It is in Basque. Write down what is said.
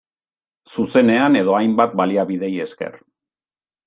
Zuzenean edo hainbat baliabideei esker.